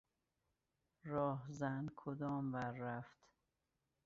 راهزن کدام ور رفت؟